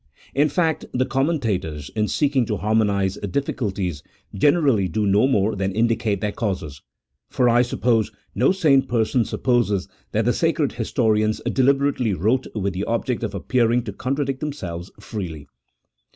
In fact the commentators, in seeking to harmonize dif ficulties, generally do no more than indicate their causes : for I suppose no sane person supposes that the sacred his torians deliberately wrote with the object of appearing to contradict themselves freely.